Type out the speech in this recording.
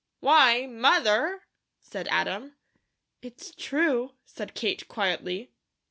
"Why, Mother!" said Adam. "It's true," said Kate, quietly.